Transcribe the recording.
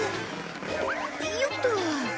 よっと。